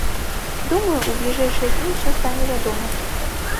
Думаю, у бліжэйшыя дні ўсё стане вядома.